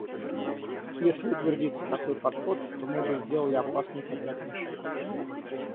Если утвердится такой подход, то мы бы сделали опасный попятный шаг.